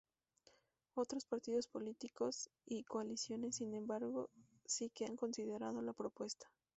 Otros partidos políticos y coaliciones, sin embargo, sí que han considerado la propuesta.